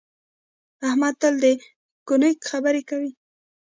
احمد تل د کونک خبرې کوي.